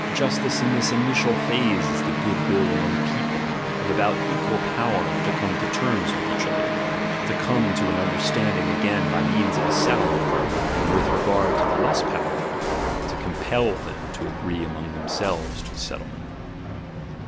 Justice in this initial phase is the goodwill among people of about equal power to come to terms with each other, to come to an understanding again by means of a settlement, and with regard to the less powerful, to com pel them to agree among themselves to a settlement.